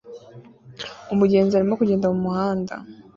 Umugenzi arimo kugenda mumuhanda